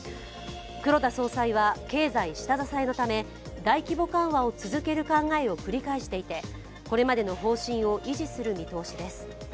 黒田総裁は、経済下支えのため大規模緩和を続ける考えを繰り返していて、これまでの方針を維持する見通しです。